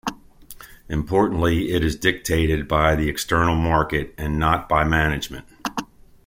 Importantly, it is dictated by the external market and not by management.